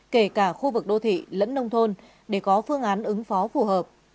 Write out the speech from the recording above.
kể cả khu vực đô thị lẫn nông thôn để có phương án ứng phó phù hợp